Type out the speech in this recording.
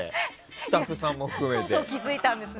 スタッフさんも含めて。